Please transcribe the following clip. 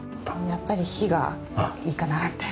やっぱり火がいいかなって。